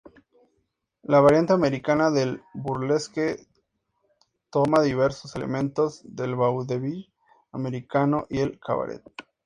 La variante americana del burlesque toma diversos elementos del "vaudeville" americano y el cabaret.